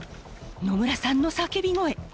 乃村さんの叫び声。